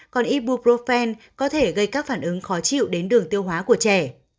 còn ibuprofen có thể gây các phản ứng khó chịu đến đường tiêu hóa của trẻ